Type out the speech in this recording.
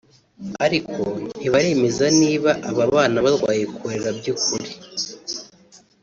ariko ntibaremeza niba aba bana barwaye Cholera by’ukuri